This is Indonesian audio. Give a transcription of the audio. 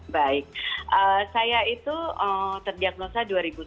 baik saya itu terdiagnosa dua ribu sepuluh